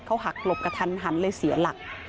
เขาหักหลบกระทันหันเลยเสียหลัก